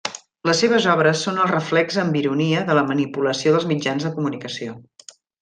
Les seves obres són el reflex amb ironia de la manipulació dels mitjans de comunicació.